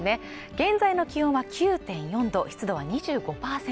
現在の気温は９．４度湿度は２５％